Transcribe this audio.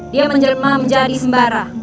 dia menjelma menjadi sembara